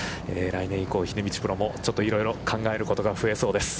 来年以降秀道プロもちょっといろいろ考えることが増えそうです。